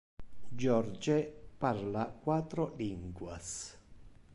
Jorge parla quatro linguas.